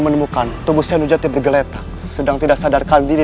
kami menemukan tubuh sheikh nujati bergeletak sedang tidak sadar kali ini